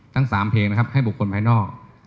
ทั้ง๓เพลงนะครับให้บุคคลภายนอก